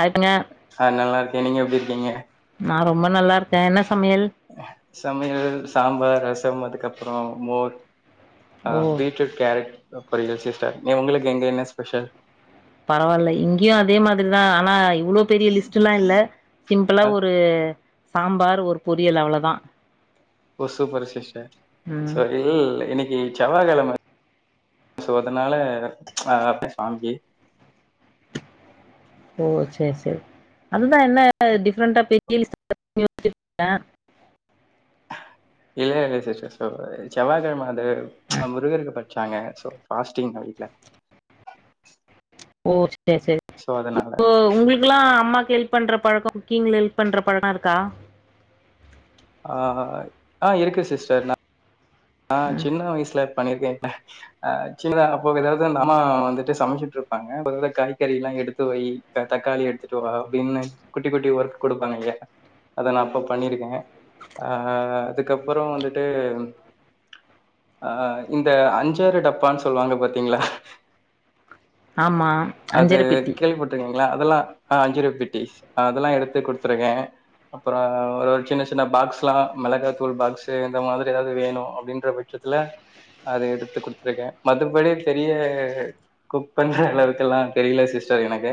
அதுக்குன்னு ஆ நல்ல இருக்கே நீங்க எப்டி இருக்கீங்க நா ரொம்ப நல்லா இருக்கே என்ன சமையல் சமையல் சாம்பார் ரசம் அதுக்கப்புறோ மோர் ஆ ஓ பீட்ரூட், கேரட், பொரியல் சிஸ்டர் நீ உங்களுக்கு எங்க என்ன ஸ்பெஷல் பரவாயில்லை இங்கயும் அதே மாதிரிதா ஆனா இவ்ளோ பெரிய லிஸ்ட் எல்லா இல்ல சிம்பிளா ஆ ஒரு சாம்பார் ஒரு பொரியல் அவ்ளோதா ஓ சூப்பர் சிஸ்டர் சோ ம் இல் இன்னைக்கு செவ்வாகிழம சோ அதனால அ சுவாம்ஜி ஓ சரி சரி அதுதா என்ன டிஃப்ரெண்ட்டா பெரிய லிஸ்ட்டா [inaudible] இல்லையா இல்ல சிஸ்டர் செவ் செவ்வாகிழம அது முருகருக்கு பட வச்சாங்க சோ பாஸ்டிங்க வீட்ல ஓ செரி செரி சோ அதனால இப்போ ஒங்ளுக் லா அம்மாக்கு ஹெல்ப் பண்ற பழக்க குக்கிங் ஹெல்ப் பண்ற பழக்கொ எல்லா இருக்கா ஆ ஆ இருக்கு சிஸ்டர் நா ஆ ம் சின்ன வயசுல பண்ணிருக்கே ஆ சின்னதா அப்போ ஏதாவ்து அம்மா வந்துட்டு சமைச்சுட்டு இருப்பாங்க மொதல்ல காய்கறி எல்லா எடுத்து வை தக்காளி எடுத்துட்டு வா அப்டின்னு குட்டி குட்டி ஒர்க் கொடுப்பாங்க இங்க அத நா அப்போ பண்ணியிருக்கே அ அதுக்கப்புறொ வந்துட்டு அ இந்த அஞ்சர டப்பான்னு சொல்லுவாங்க பாத்தீங்ளா ஆமா அது அஞ்சர பெட்டி கேள்வி பட் ட்ருக்கீங்ளா அதெல்லா அஞ்சர பெட்டி அதெல்லா எடுத்து கொடுத்துருக்கே அப்றொ ஒரு சின்ன சின்ன பாக்ஸ் எல்லா மிளகா தூள் பாக்ஸ் இந்த மாதிரி ஏதாவ்து வேணு அப்டின்ற பட்சத்துல அது எடுத்து கொடுத்துருக்கே மத்தபடி தெரிய குக் பண்ண எல்லாருக்கு எல்லா தெரியல சிஸ்டர் எனக்கு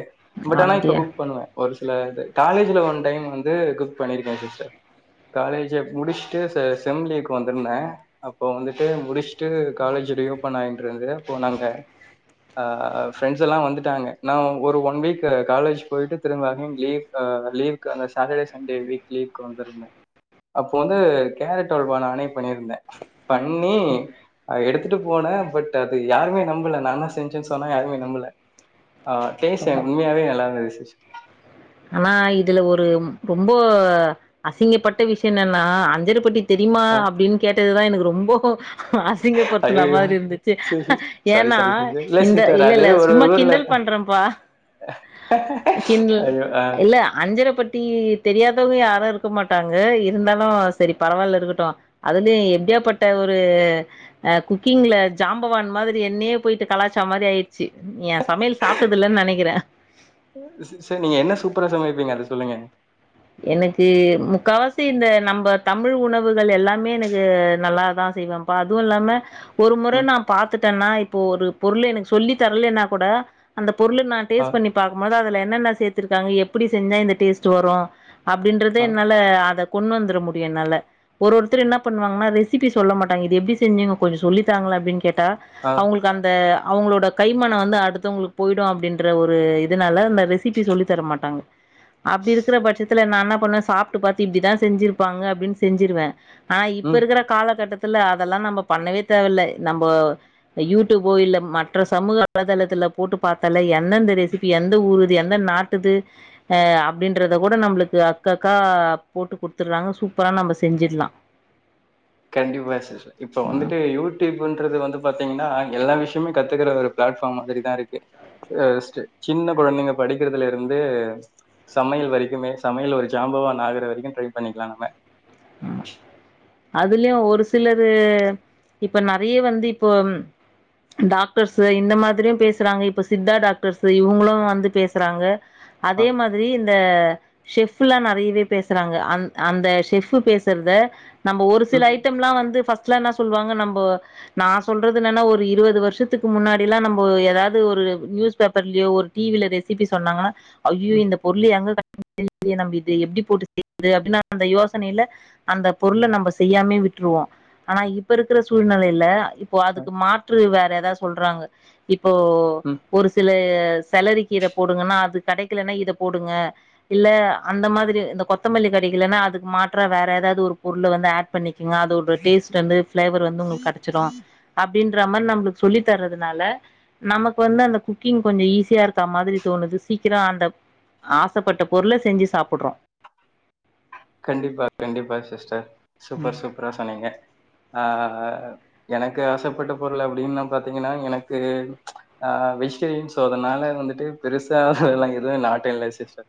பட் ஆனா இப்ப அப்டியா குக் பண்ணுவே ஒரு சில இது காலேஜ்ல ஒன் டைம் வந்து குக் பண்ணிருக்கே சிஸ்டர் காலேஜ முடிச்சுட்டு செ செம் லீவுக்கு வந்திருந்தே அப்போ வந்துட்டு முடிச்சுட்டு காலேஜ் ரீ ஓபன் ஆயிட்ருந்து அப்போ நாங்க அ ஃப்ரெண்ட்ஸ் எல்லா வந்துட்டாங்க நா ஒரு ஒன் வீக் காலேஜ் போயிட்டு திரும்ப‌ அகேன் லீவ் அ லீவ்க் அந்த சாட்டர்டே சண்டே வீக் லீவ்க்கு வந்திருந்தே அப்போ வந்து கேரட் அல்வா நானே பண்ணிருந்தே பண்ணி அது எடுத்துட்டு போனே பட் அது யாருமே நம்பல நா தா செஞ்சேன்னு சொன்னா யாருமே நம்பல ஆ டேஸ்ட் என்க் உண்மையாவே நல்லா இருந்தது சிஸ் ஆ இதுல ஒரு ரொம்போ அசிங்கப்பட்ட விஷயொ என்னன்னா அஞ்சரப்பெட்டி தெரியுமா அ அப்டின்னு கேட்டதுதா எனக்கு ரொம்போ அசிங்க படுத்துன ஐயயோ! மாரி இருந்துச்சு சிஸ் சாரி ஏன்னா சாரி சிஸ்டர். இல்ல இந்த சிஸ்டர் இல்ல அது இல்ல ஒரு ஒரு சும்மா ஊர்ல கிண்டல் பண்ற பா கிண்ட்ல் ஐயோ! அ இல்ல அஞ்சர பட்டி தெரியாதவங்க யாரு இருக்க மாட்டாங்க இருந்தாலு செரி பரவால்ல இருக்கட்டு அதுலயு எப்டியாபட்ட ஒரு அ குக்கிங்ல ஜாம்பவான் மாதிரி என்னையே போயிட்டு கலாச்ச மாரி ஆயிச்சு ஏ சமையல் சாப்டது இல்லனு நெனைக்கிறே ச நீங்க என்ன சூப்பரா சமைப்பீங்க அத சொல்லுங்க எனக்கு முக்கா வாசி இந்த நம்ப தமிழ் உணவுகள் எல்லாமே எனக்கு நல்லாதா செய்வே ப்பா அதுவு இல்லாம ஒரு முற ம். நா பாத்துட்டேன்னா இப்போ ஒரு பொருள எனக்கு சொல்லி தரலேன்னா கூட அந்த பொருள நா ஆ, டேஸ்ட் பன்னி பாக்கும்போது அதுல என்னென்ன சேத்திருக்காங்க எப்புடி செஞ்சா இந்த டேஸ்ட் வரு அப்டின்றது ஆ, என்னா ல அத கொண்டு வந்துர முடியு என்னால ஒரு ஒருத்தர் என்னா பண்ணுவாங்னா ரெசிபி சொல்ல மாட்டாங்க இது எப்டி செஞ்சுங்க கொஞ்ச சொல்லித்தாங்ளே அப்டின் கேட்டா ஆ. அவுங்ளுக் கு அந்த அவங்ளோட கைமன வந்து அடுத்தவங்களுக்கு போய்டு அப்டின்ற ஒரு இதுனாலே அந்த ரெசிபி சொல்லி தர மாட்டாங்க அப்டி இருக்கிற பட்சத்துல நா என்னா பண்ணுவே சாப்ட்டு பாத்து இப்டிதா செஞ்சிருப்பாங்க அப்டின் செஞ்சிருவே ஆ இப்ப ம். இருக்குற காலகட்டத்துல அதெல்லா நம்ப பண்ணவே தேவல்ல நம்போ யூடியூபோ இல்ல மற்ற சமூக வலைதளத்துல போட்டு பாத்தாலே என்ன இந்த ரெசிபி எந்த ஊருது எந்த நா ட்டுது ஆ அப்டின்றத கூட நம்ளுக் அக்கக்கா போட்டு குடுத்துட்றாங்க சூப்பரா நம்ப செஞ்சிட்லா கண்டிப்பா சிஸ்டர் இப்போ வந்துட்டு யூ ட்யூப்ன்றது வந்து பாத்தீங்கன்னா எல்லா விஷயமே கத்துக்கற ஒரு பிளாட்ஃபார்ம் மாதிரிதா இருக்கு ஃபஸ்டு சின்ன கொழந்தைங்க படிக்கிறதுல இருந்து சமையல் வரைக்குமே சமையல் ஒரு ஜாம்பவானாகர வரைக்கு ட்ரை பண்ணிக்லா நம்ம ம் அதுலையு ஒரு சிலரு இப்ப நெறைய வந்து இப்போ டாக்டர்ஸு இந்த மாதிரியு பேசுறாங்க இப்போ சித்தா டாக்டர்ஸு இவுங்ளு வந்து பேசுறாங்க ஆ அதே மாதிரி இந் த ஷெஃப்புல்லா நெறையவே பேசுறாங்கே அந் அந்த ஷெஃப்பு பேசுறத நம்ப ஒரு சில ம் ஐட்டம்லா வந்து ஃபர்ஸ்ட்லா என்னா சொல்லுவாங்க நம்போ நா சொல்றது என்னன்னா ஒரு இருவது வருஷத்துக்கு முன்னாடில்லா நம்போ ஏதாது ஒரு நியூஸ் பேப்பர்லயோ ஒரு டி வில ரெசிப்பி சொன்னாங்கனா அய்யய்யோ ம் இந்த பொருள் எங்கே க லியே நம்ம இத எப்டி போட்டு செய்து அப்டி அந்த யோசனைல அந்த பொருள நம்ப செய்யாமே விட்ருவோ ஆனா இப்ப இருக்கிற சூழ்நெலைல இப்போ ஆ அதுக்கு மாற்று வேறேதா சொல்றாங்க இப்போ ம் ஒரு சில செலரிக் கீர போடுங்கன்னா அது கெடைக்கலன்னா இத போடுங்க இல்ல அந்த மாதிரி இந்த கொத்தமல்லி கெடைக்கலன்னா அதுக்கு மாற்றா வேற எதாது ஒரு பொருளு வந்து ஆட் பண்ணிக்கங்க அதோட டேஸ்ட் வந்து ஃபிளேவர் வந்து உங்ளுக்கு கெடச்சிடு அப்பிடின்ற மாரி நம்ளுக்கு சொல்லி தரதுனால நமக்கு வந்து அந்த குக்கிங் கொஞ்சோ ஈஸியா இருக்க மாதிரி தோணுது சீக்கிரோ அந்த ஆசைப்பட்ட பொருள செஞ்சி சாப்புட்றோ கண்டிப்பா கண்டிப்பா சிஸ்டர் ம் சூப்பர் சூப்ரா சொன்னீங்க ஆ எனக்கு ஆசைப்பட்ட பொருள் அப்டின்னா பாத்தீங்கனா எனக்கு ஆ வெஜிடேரியன் சோ அதனாலே வந்துட்டு பெருசா எல்லா எதுவு நாட்ட இல்ல சிஸ்டர்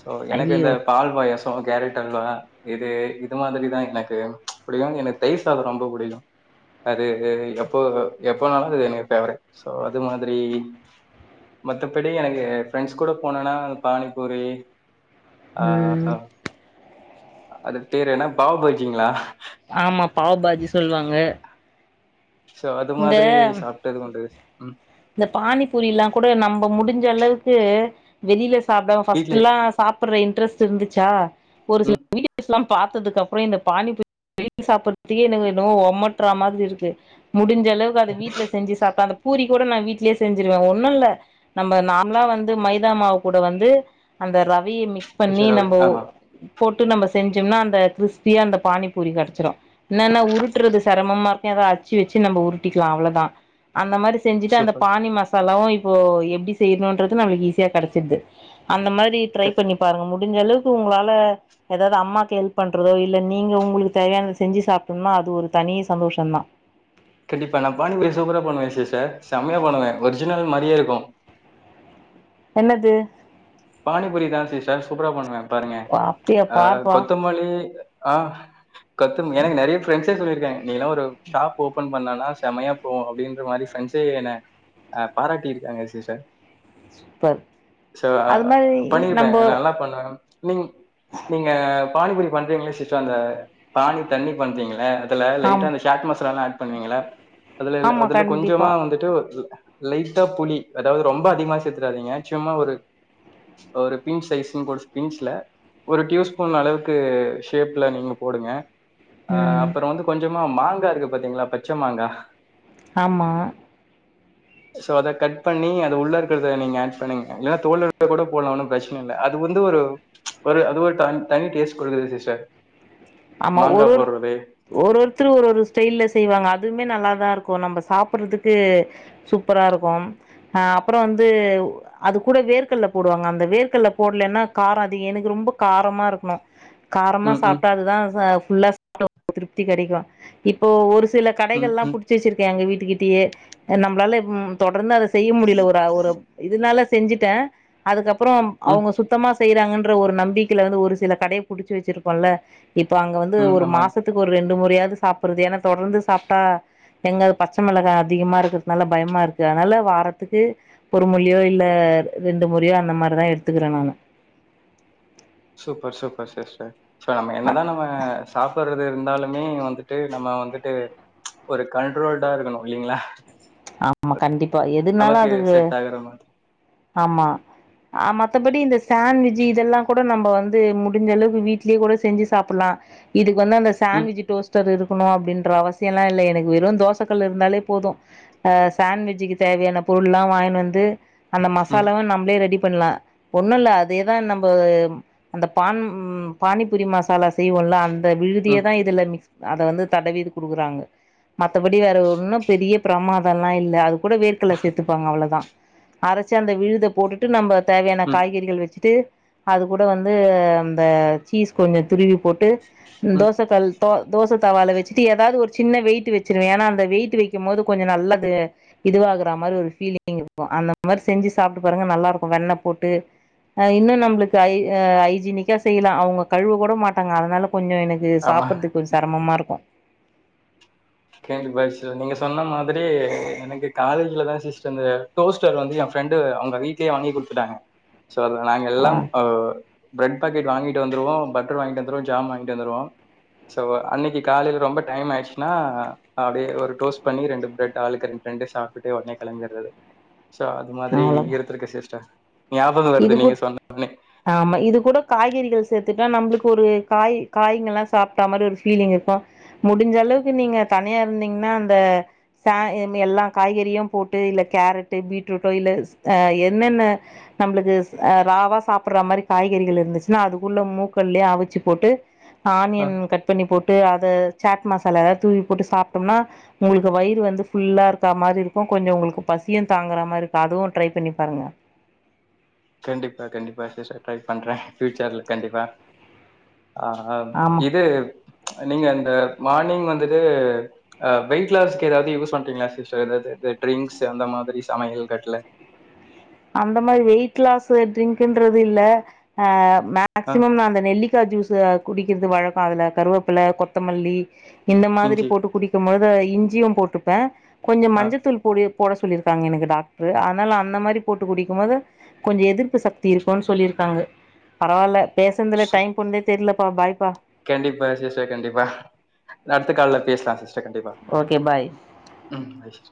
சோ எனக்கு ஐயோ இந்த பால் பாயசோ கேரட் அல்வா இது இது மாதிரிதா எனக்கு புடிக்கு எனக் தயிர் சாதோ ரொம்ப புடிக்கு அது எப்போ எப்பனாலு சரி எனக் ஃபேவரட் சோ அது மாதிரி மத்தபடி எனக்கு ஃப்ரெண்ட்ஸ் கூட போனோன்னா பானிபூரி ஆ ம் அது பேரு என்ன பாவ் பஜிங்களா ஆமா பாவ் பாஜி சொல்வாங்க சோ அது மாதிரி சாப்ட்டது உண்டு ம் இந்த பானிபூரிலா கூட நம்ப முடிஞ்ச அளவுக்கு வெளிலே சாப்டாம வீட்லயே ஃபர்ஸ்ட்லா சாப்புடுற இன்ட்ரெஸ்ட் இருந்துச்சா ஒரு சில ம் வீடியோஸ் எல்லா பாத்ததுக்கு அப்புறோ இந்த பானிபூரி [inaudible] சாப்பறதுக்கே எனக்கு என்னமோ ஒமட்ரே மாதிரி இருக்கு முடிஞ்ச அளவுக்கு அது வீட்ல செஞ்சு சாப்ட்டா அந்த பூரி கூட நா வீட்லே செஞ்சடுவ ஒன்னுல்ல நம்ம நார்லா வந்து மைதா மாவு கூட வந்து அந்த ரவயே மிக்ஸ் பண்ணி குச்சராவே நம்போ ஆமா போட்டு நம்ம செஞ்சோம்னா அந்த கிரிஸ்பியா அந்த பானி பூரி கெடச்சிரு என்னனா உருட்டுறது செரமமா இருக்கு எதா அச்சி வச்சி நம்மோ உருட்டிக்கலா அவ்ளோதா அந்த மாரி செஞ்சுட்டு அந்த சூப்பர் பானி மசாலாவு இப்போ எப்டி செய்யணுன்றது நம்மளுக்கு ஈஸியா கெடச்சிடுது அந்த மாரி ட்ரை பண்ணி பாருங்க முடிஞ்ச அளவுக்கு உங்களால எதாவ்து அம்மாக்கு ஹெல்ப் பண்றதோ இல்ல நீங்க உங்களுக்கு தேவையானத செஞ்சு சாப்புனா அது ஒரு தனி சந்தோஷந்தா கண்டிப்பா நா பானி பூரி சூப்பரா பண்ணுவ சிஸ்டர் செமையா பண்ணுவே ஒரிஜினல் மாரியே இருக்கு என்னது பானிபூரி தா சிஸ்டர் சூப்பரா பண்ணுவே பாருங்க அப்டியா ஆ பார்ப்பா கொத்தமல்லி ஆ கொத்தம எனக்கு நெறைய ஃபிரெண்ட்ஸ் ஸே சொல்லிருக்காங்க நீயெல்லா ஒரு ஷாப் ஓபன் பண்ணனா செம்மயா போகு அப்டின்ற மாரி ஃபிரெண்ட்ஸ்ஸே என்ன ஆ பாராட்டிருக்காங்க சிஸ்டர் சூப்பர் அது ஆ மா சொல்லிருக்றாங்க நல்லா பண்ற நீ நீங்க பானிபூரி பண்றீங்ள சிஸ்டர் அந்த பானி தண்ணி பண்றீங்கள அதுல லைட்டா ஆம் ஜாட் மசாலால ஆட் பண்ணுவீங்கள அதுல ஆமா அதுல கண்டிப்பா கொஞ்சமா வந்துட்டு லைட்டா புளி அதாவ்து ரொம்ப அதிகமா சேத்துறாதீங்க சும்மா ஒரு ஒரு பின் சைஸ்ன்னு கூட பின்ஸ்ல ஒரு டியூஸ் ஸ்பூன் அளவுக்கு ஷேப்ல நீங்க போடுங்க அ ம் அப்றோ வந்து கொஞ்சமா மாங்கா இருக்கு பாத்தீங்களா பச்ச மாங்கா ஆமா சோ அத கட் பண்ணி அது உள்ள இருக்குறத நீங்க ஆட் பண்ணிங் இல்லனா தோல்ல கூட போடலா ஒன்னு பிரச்சன இல்ல அது வந்து ஒரு ஒரு அது ஒரு த தனி டேஸ்ட் குடுக்குது சிஸ்டர் ஆமா மாங்கா ஒரு ஒரு போடுறது ஒரு ஒருத்தர் ஒரு ஒரு ஸ்டைல்ல செய்வாங்க அதுவுமே நல்லாதா இருக்கு நம்ப சாப்புடுறதுக்கு சூப்பரா இருக்கும் அ அப்பறோ வந்து அது கூட வேர்க்கல்ல போடுவாங்க அந்த வேர்க்கல்ல போடலன்னா காரோ அது எனக்கு ரொம்ப காரமா இருக்குனு காரமா ம் ம் சாப்ட்டா அதுதா ச ஃபுல்லா சாப்ட [inaudible] திருப்தி கெடைக்கு இப்போ ஒரு சில ம் கடைகள்லா ம் புடிச்சி வச்சிருக்கே எங்க வீட்டுக்கிட்டயே போ நம்மளால ம் தொடர்ந்து அத செய்ய முடியல ஒரு அ ஒரு இதனால செஞ்சுட்டே அதுக்கப்றோம் ம் அவுங்க சுத் தமா செய்றாங்கன்ற ஒரு நம்பிக்கைல வந்து ஒரு சில கடைய புடிச்சு வச்சிருக்கோல்ல இப்ப அங்க வந்து ம் ஒரு ஆமா மாசத் த்துக்கு ஒரு ரெண்டு முறையாவ்து சாப்புறது ஏனா தொடர்ந்து சாப்ட்டா எங்க அது பச்ச மெளகா அதிகமா இருக்கிறதுனால பயமா இருக்கு அதனால வாரத்துக்கு ஒரு முழியோ இல்ல ரெண்டு முறையோ அந்த மாரிதா எடுத்துக்கிறே நானு சூப்பர் சூப்பர் சிஸ்டர் சோ நம்ம என்னனா நம்ம சாப்பட்றது இருந்தாலு மே வந்துட்டு நம்ம வந்துட்டு ஒரு கண்டட்ரோல்டா இருக்கணு இல்லீங்களா ஆமா கண்டிப்பா எதுனாலு அது செட் ஆகுற மாதிரி ஆமா ஆ மத்தபடி இந்த சேண்விஜ் இதெல்லா கூட நம்ம வந்து முடிஞ்ச அளவுக்கு வீட்லேயே கூட செஞ்சு சாப்பிட்லா இதுக்கு வந்து அந்த ம் சேண்ட்விஜ் டோஸ்டர் இருக்கணு அப்டின்ற அவசியமே இல்ல எனக்கு வெறு தோசகலே இருந்தாலே போது ஆ சேண்ட்விஜ்க்கு தேவையான பொருள் எல்லா வாங்கின்னு வந்து அந்த ம் மசாலாவே நம்மளே ரெடி பண்ணலா ஒண்ணு இல்ல அதேதா நம்ம அந்த பான் ம் பானிபூரி மசாலா செய்வோல்ல அந்த விழுதியே ம் தா இதுல மிக்ஸ் அத வந்து தடவீ இது குடுக்குறாங்க மத்தபடி வேற ஒன்னு பெரிய பிரமா தல்லா இல்ல அது கூட வேர்கற்கல்ல சேத்துப்பாங்க அவ்ளதா அரச்சி அந்த விழுத போட்டுட்டு நம்ப தேவையான ம் காய்கறிகள் வெச்சிட்டு அது கூட வந்து அந்த சீஸ் கொஞ்சோ துருவி போட்டு ம் தோச கல் தோ தோச தவால வெச்சுட்டு ஏதாவது ஒரு சின்ன வெயிட் வெச்சிருவே ஏன்னா அந்த வெயிட்டு வைக்கும் போது நல்லா அது இதுவா ஆகுற மாரி ஒரு ஃபீலிங் இருக்கு அந்த மாரி செஞ்சு சாப்பிட்டு பாருங்க நல்லா இருக்கு வெண்ண போட்டு இன்னு நம்மளுக்கு ஐ ஐஜீனிக்கா செய்யலா அவங்க கழுவ கூட மாட்டாங்க அதனால கொஞ்சோ எனக் கு ஆமா சாப்பிட்றதுக்கு கொஞ்சோ செரமமா இருக்கு [unintelligible] நீங்க சொன்ன மாதிரி எனக்கு காலேஜ்ல தா சிஸ் இந்த டோஸ்டர் வந்து ஏ ஃப்ரெண்டு அவங்க வீட்லேயே வாங்கி குடுத்துட்டாங்க சோ அத நாங்க ஆ எல்லாம் ஓ பிரட் பாக்கெட் வாங்கிட்டு வந்துருவோ பட்டர் வாங்கிட்டு வந்துருவோ ஜாம் வாங்கிட்டு வந்துருவோ சோ அன்னிக்கி காலையில ரொம்ப டைம் ஆயிடுச்சுன்னா அப்டியே ஒரு டோஸ் பண்ணி ரெண்டு பிரெட் ஆளுக்கு ரெண் ரெண்டு சாப்ட்டுட்டே ஒடனே கெளங்பிறது சோ அது மாதிரி அவ்ளோதா இருந்துருக்கே சிஸ்டர் ஞாபக இது வருது நீங்க கூட சொன்னோன்னே ஆமா இது கூட காய்கறிகள் சேத்துட்டா நம்மளுக்கு ஒரு காய் காய்ங்கல்லா சாப்ட்டா மாரி ஒரு ஃபீலிங் இருக்கு முடிஞ்சளவுக்கு நீங்க தனியா இருந்தீங்கன்னா அந்த ச எல்லா காய்கறியு போட்டு இல்ல கேரட்டு பீட்ரூட்டு இல்ல ஆ என்னென்ன நம்மளுக்கு ஆ ராவா சாப்புட்ற மாரி காய்கறிகள் இருந்துச்சுன்னா அதுக்குள்ள மூக்கள்ளயே அவிச்சு போட்டு ஆ ஆனியன் கட் பண்ணி போட்டு அத சாட் மசாலா ஏதாவது தூவி போட்டு சாப்ட்டோம்னா உங்களுக்கு வயிறு வந்து ஃபுல்லா இருக்க மாரி இருக்கு கொஞ்சோ உங்களுக்கு பசியு தாங்குற மாரி இருக்கு அதுவு ட்ரை பண்ணி பாருங்க கண்டிப்பா கண்டிப்பா சிஸ்டர் ட்ரை பண்றே ஃபியூச்சர்ல கண்டிப்பா ஆ ஆமா இது நீங்க அந்த மார்னிங் வந்துட்டு ஆ வெயிட்லாஸ்கு எதாவது யூஸ் பண்றீங்ளா சிஸ்டர் இது ட்ரிங்க்ஸ் அந்த மாதிரி சமையல் கட்ல அந்த மாரி வெயிட் லாஸ் டிரிங்க்ன்றது இல்ல ஆ ஆ மேக்சிமம் நா அந்த நெல்லிக்கா ஜூஸ் குடிக்கற்து வழக்கோ அதுல கருவேப்ல கொத்தமல்லி இந்த மாதிரி இஞ்சி போட்டு குடிக்கும்போது இஞ்சியு போட்டுப்பே கொஞ்ச ஆ மஞ்சத்தூள் பொடி போட சொல்லியிருக்காங்க எனக்கு டாக்டரு அதனால அந்த மாரி போட்டு குடிக்கும் போது கொஞ்சோ எதிர்ப்பு சக்தி இருக்குனு சொல்லி இருக்காங்க பரவால்ல பேசுன்துல சு டைம் போனதே தெரிலப்பா பாய்ப்பா கண்டிப்பா சிஸ்டர் கண்டிப்பா அடுத்த கால்ல பேசலா சிஸ்டர் கண்டிப்பா ஓகே பாய் ம் வெச்சிட்ற